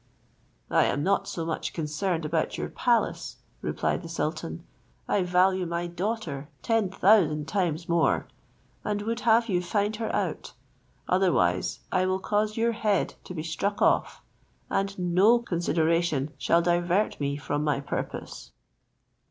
"I am not so much concerned about your palace," replied the sultan, "I value my daughter ten thousand times more, and would have you find her out, otherwise I will cause your head to be struck off, and no consideration shall divert me from my purpose."